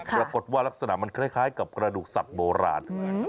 ปรากฏว่ารักษณะมันคล้ายกับกระดูกสัตว์โบราณ